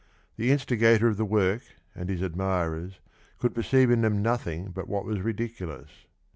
The instigator of the work, and his admirers, could perceive in them nothing but what was ridiculous.